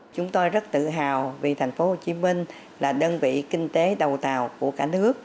chúng tôi rất tự hào vì thành phố hồ chí minh là đơn vị kinh tế đầu tàu của cả nước